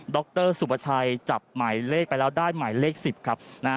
รสุประชัยจับหมายเลขไปแล้วได้หมายเลข๑๐ครับนะฮะ